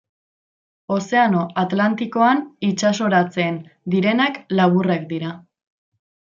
Ozeano Atlantikoan itsasoratzen direnak laburrak dira.